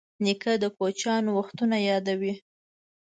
نیکه د کوچیانو وختونه یادوي.